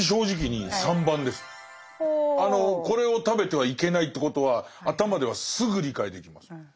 これを食べてはいけないということは頭ではすぐ理解できます。